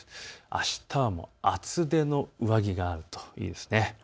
あしたは厚手の上着があるといいです。